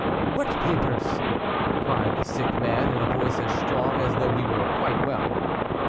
"What papers?" cried the sick man, in a voice as strong as though he were quite well.